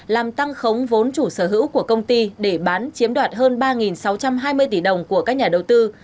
làm tăng khống vốn chủ sở hữu của công ty để bán chiếm đoạt hơn ba sáu trăm hai mươi tỷ đồng của các nhà đầu tư